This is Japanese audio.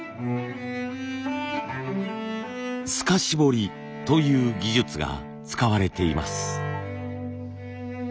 透かし彫りという技術が使われています。